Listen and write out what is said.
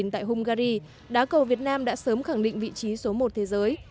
tại hungary đá cầu việt nam đã sớm khẳng định vị trí số một thế giới